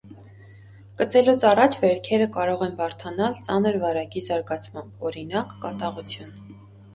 Կծելուց առաջացած վերքերը կարող են բարդանալ ծանր վարակի զարգացմամբ (օրինակ, կատաղություն)։